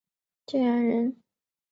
建安人。